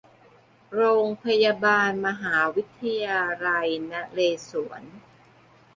โรงพยาบาลมหาวิทยาลัยนเรศวร